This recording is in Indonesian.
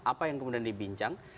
apa yang kemudian dibincang